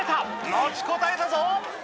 持ちこたえたぞ！